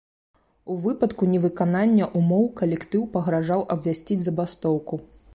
У выпадку невыканання ўмоў калектыў пагражаў абвясціць забастоўку.